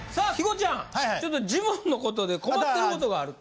ちょっとジモンのことで困ってることがあると。